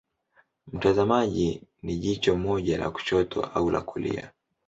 Mtazamaji ni jicho moja la kushoto au la kulia.